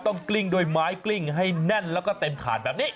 กลิ้งด้วยไม้กลิ้งให้แน่นแล้วก็เต็มถาดแบบนี้